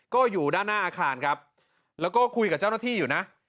ก็อยู่ด้านหน้าอาคารครับแล้วก็คุยกับเจ้าหน้าที่อยู่นะ